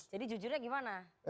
jadi jujurnya gimana